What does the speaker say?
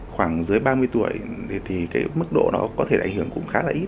khoảng dưới ba mươi tuổi thì cái mức độ đó có thể ảnh hưởng cũng khá là ít